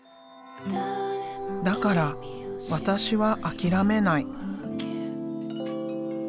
だからわたしは諦めない」。